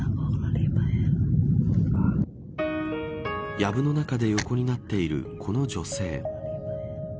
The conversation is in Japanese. やぶの中で横になっているこの女性。